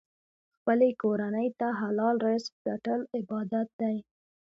خپلې کورنۍ ته حلال رزق ګټل عبادت دی.